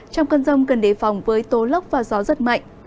trong cơn rông cần đề phòng với tố lốc và gió rất mạnh